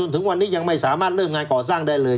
ถึงวันนี้ยังไม่สามารถเริ่มงานก่อสร้างได้เลย